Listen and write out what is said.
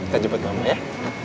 kita jemput mama ya